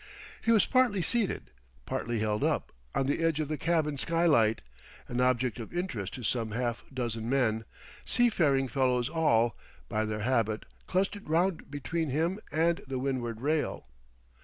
He was partly seated, partly held up, on the edge of the cabin sky light, an object of interest to some half dozen men, seafaring fellows all, by their habit, clustered round between him and the windward rail.